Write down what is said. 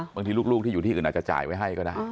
บางทีลูกที่อยู่ที่อื่นอาจจะจ่ายไว้ให้ก็ได้